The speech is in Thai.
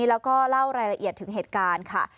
แล้วก็เล่ารายละเอียดถึงเหตุการณ์ค่ะ